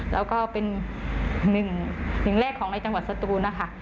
แล้วก็เป็นหนึ่งแรกของในจังหวัดสตูนนะคะ